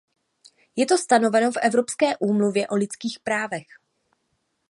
Je to stanoveno v Evropské úmluvě o lidských právech.